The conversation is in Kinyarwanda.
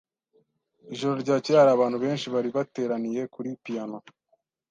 Ijoro ryakeye hari abantu benshi bari bateraniye kuri piyano.